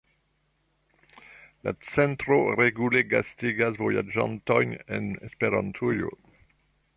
La centro regule gastigas vojaĝantojn en Esperantujo.